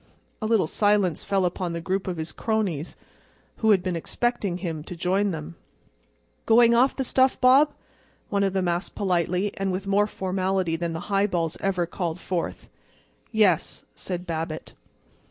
A little silence fell upon the group of his cronies, who had been expecting him to join them. "Going off the stuff, Bob?" one of them asked politely and with more formality than the highballs ever called forth. "Yes," said Babbitt.